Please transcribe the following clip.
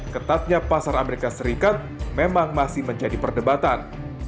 ketatnya pasar amerika serikat memang masih menjadi perdebatan